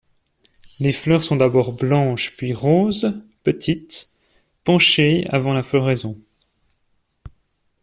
Les fleurs sont d'abord blanches, puis roses, petites, penchées avant la floraison.